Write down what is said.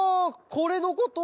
これのこと？